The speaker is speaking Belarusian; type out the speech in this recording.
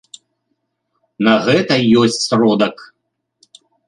На гэта ёсць сродак.